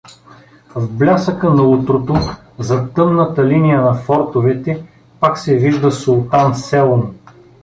В блясъка на утрото, зад тъмната линия на фортовете пак се вижда Султан Селлм.